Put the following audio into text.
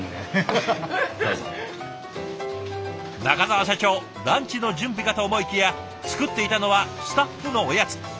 中澤社長ランチの準備かと思いきや作っていたのはスタッフのおやつ。